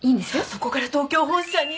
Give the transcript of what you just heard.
そこから東京本社に？